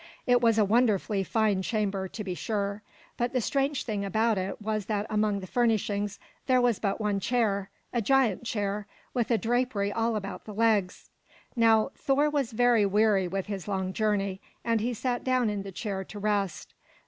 It was a wonderfully fine chamber, to be sure; but the strange thing about it was that among the furnishings there was but one chair, a giant chair, with a drapery all about the legs. Now Thor was very weary with his long journey, and he sat down in the chair to rest.